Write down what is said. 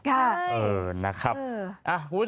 ค่ะเออนะครับอ่ะคุณผู้ชม